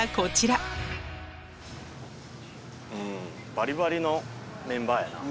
バリバリのメンバーやな。